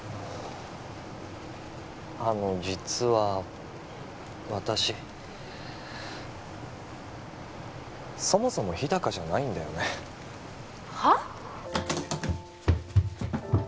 あの実は私そもそも日高じゃないんだよねはっ！？